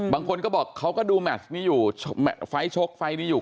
บางคนก็บอกเขาก็ดูแมชนี้อยู่ไฟล์ชกไฟล์นี้อยู่